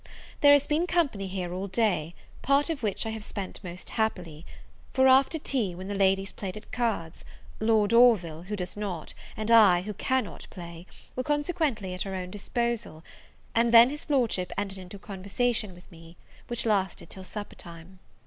There has been company here all day, part of which I have spent most happily: for after tea, when the ladies played at cards, Lord Orville, who does not, and I, who cannot play, were consequently at our own disposal; and then his Lordship entered into a conversation with me, which lasted till supper time.